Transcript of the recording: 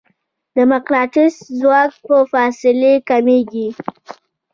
د مقناطیس ځواک په فاصلې کمېږي.